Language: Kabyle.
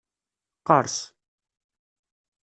Qqers.